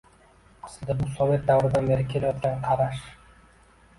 Aslida bu sovet davridan beri kelayotgan qarash.